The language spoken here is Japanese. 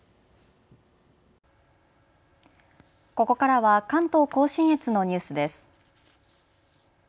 ここからは関東甲信越のニュースです。